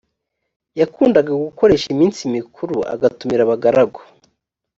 yakundaga gukoresha iminsi mikuru agatumira abagaragu